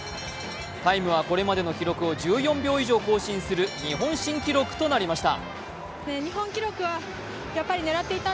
タイムはこれまでの記録を１４秒以上更新する日本新記録となりました。